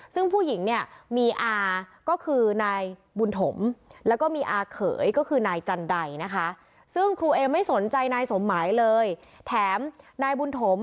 ซึ่งผู้หญิงเนี่ยะมีอคบุณถม